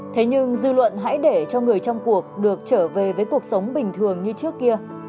thế nhưng dư luận hãy để cho người trong cuộc được trở về với cuộc sống bình thường như trước kia